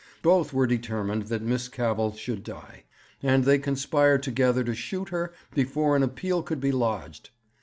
Both were determined that Miss Cavell should die, and they conspired together to shoot her before an appeal could be lodged.